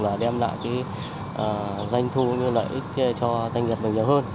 và đem lại danh thu lợi ích cho doanh nghiệp mình nhiều hơn